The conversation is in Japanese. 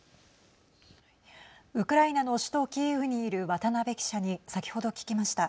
ウクライナの首都キーウにいる渡辺記者に先ほど聞きました。